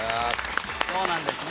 そうなんですね。